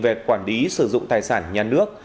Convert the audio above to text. về quản lý sử dụng tài sản nhà nước